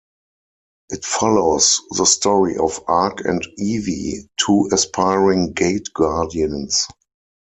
It follows the story of Ark and Ivy, two aspiring Gate Guardians.